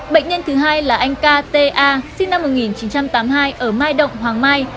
bệnh nhân thứ hai là anh k ta sinh năm một nghìn chín trăm tám mươi hai ở mai động hoàng mai